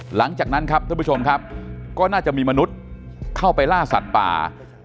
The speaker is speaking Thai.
หลังจากนั้นครับท่านผู้ชมครับก็น่าจะมีมนุษย์เข้าไปล่าสัตว์ป่า